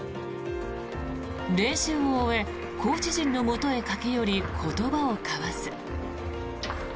練習を終えコーチ陣のもとへ駆け寄り言葉を交わす。